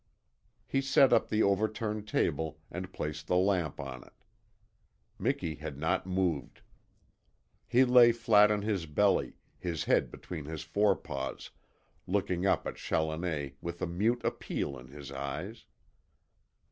He set up the overturned table and placed the lamp on it. Miki had not moved. He lay flat on his belly, his head between his forepaws, looking up at Challoner with a mute appeal in his eyes.